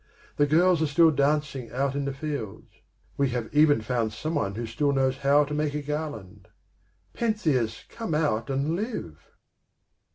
The girls are still dancing out in the fields; we have even found someone who still knows how to make a garland. Pentheus, come out and live!"